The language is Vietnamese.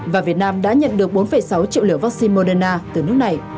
và việt nam đã nhận được bốn sáu triệu liều vaccine moderna từ nước này